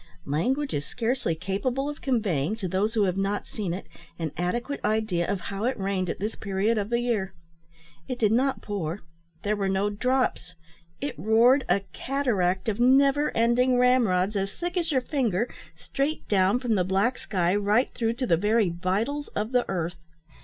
Language is scarcely capable of conveying, to those who have not seen it, an adequate idea of how it rained at this period of the year. It did not pour there were no drops it roared a cataract of never ending ramrods, as thick as your finger, straight down from the black sky right through to the very vitals of the earth.